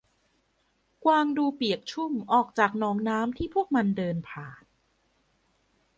กวางดูเปียกชุ่มออกจากหนองน้ำที่พวกมันเดินผ่าน